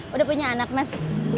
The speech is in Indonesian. udah punya anak mas